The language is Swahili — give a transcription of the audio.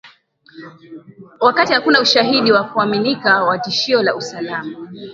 Wakati hakuna ushahidi wa kuaminika wa tishio la usalama